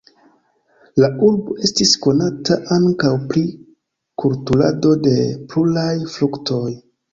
La urbo estis konata ankaŭ pri kulturado de pluraj fruktoj.